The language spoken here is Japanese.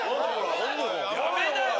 やめなよ！